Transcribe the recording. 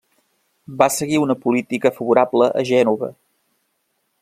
Va seguir una política favorable a Gènova.